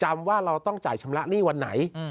ว่าเราต้องจ่ายชำระหนี้วันไหน